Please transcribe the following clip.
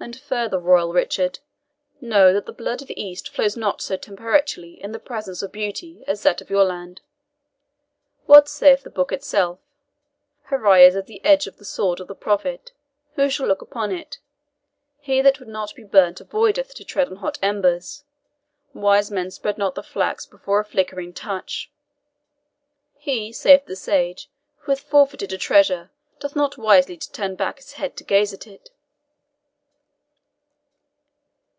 And further, royal Richard, know that the blood of the East flows not so temperately in the presence of beauty as that of your land. What saith the Book itself? Her eye is as the edge of the sword of the Prophet, who shall look upon it? He that would not be burnt avoideth to tread on hot embers wise men spread not the flax before a flickering torch. He, saith the sage, who hath forfeited a treasure, doth not wisely to turn back his head to gaze at it."